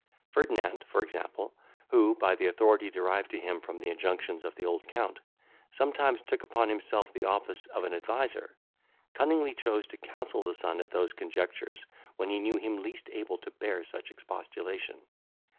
Ferdinand, for example, who, by the authority derived to him from the injunctions of the old Count, sometimes took upon himself the office of an adviser, cunningly chose to counsel the son at those conjunctures when he knew him least able to bear such expostulation.